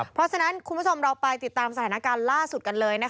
เพราะฉะนั้นคุณผู้ชมเราไปติดตามสถานการณ์ล่าสุดกันเลย